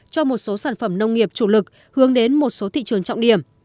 cho một số sản phẩm nông nghiệp chủ lực hướng đến một số thị trường trọng điểm